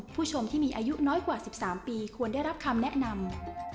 ผู้ชมที่มีอายุน้อยกว่า๑๓ปีควรได้รับคำแนะนำ